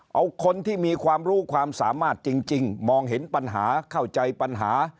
เอาคนที่มีความรู้ความสามารถจริงมองเห็นปัญหาเข้าใจปัญหา